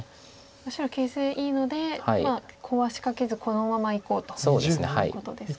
白形勢いいのでコウは仕掛けずこのままいこうということですか。